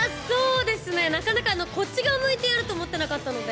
なかなかこっち側向いてやると思ってなかったので。